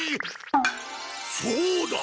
そうだ！